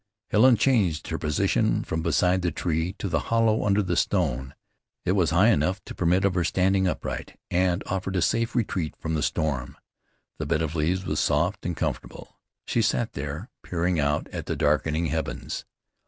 Helen changed her position from beside the tree, to the hollow under the stone. It was high enough to permit of her sitting upright, and offered a safe retreat from the storm. The bed of leaves was soft and comfortable. She sat there peering out at the darkening heavens.